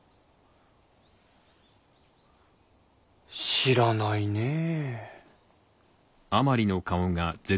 知らないねえ。